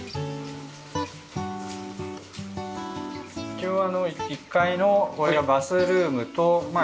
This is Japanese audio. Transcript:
一応１階のこれはバスルームとまあ